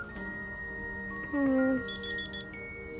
うん。